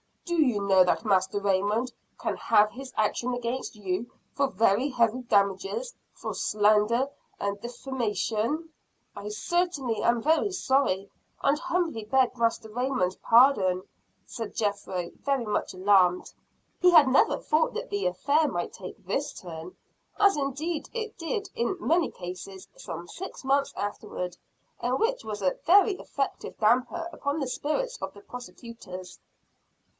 "Do you know that Master Raymond can have his action against you for very heavy damages, for slander and defamation?" "I certainly am very sorry, and humbly beg Master Raymond's pardon," said Jethro, very much alarmed. He had never thought that the affair might take this turn as indeed it did in many cases, some six months afterward; and which was a very effective damper upon the spirits of the prosecutors.